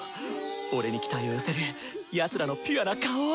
俺に期待を寄せるやつらのピュアな顔を！